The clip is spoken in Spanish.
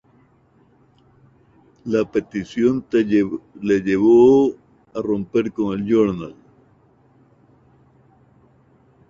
La petición le llevó a romper con el "Journal".